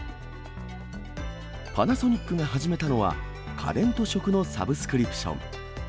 パナソニックが始めたのは、家電と食のサブスクリプション。